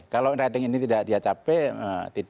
kalau rating ini tidak dia capai